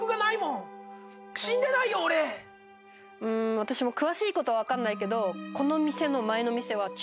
私も詳しいことは分かんないけど。